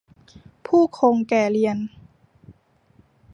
ผู้คงแก่เรียน